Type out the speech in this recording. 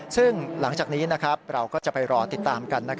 ซึ่งหลังจากนี้เราก็จะไปรอติดตามกัน